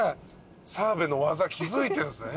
澤部の技気付いてんすね。